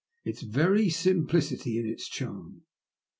Its very simplicity is its charm.